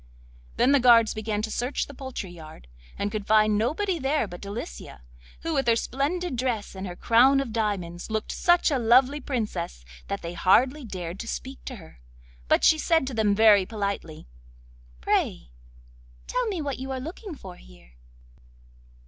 Then the guards began to search the poultry yard, and could find nobody there but Delicia, who, with her splendid dress and her crown of diamonds, looked such a lovely Princess that they hardly dared to speak to her. But she said to them very politely: 'Pray tell me what you are looking for here?